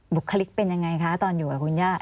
บุคลิกเป็นยังไงคะตอนอยู่กับคุณย่า